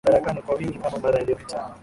tena madarakani kwa wingi kama mara iliopita